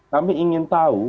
kami ingin tahu